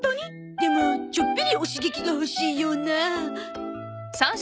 でもちょっぴりお刺激が欲しいような。